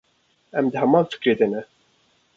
Em di heman fikrê de ne.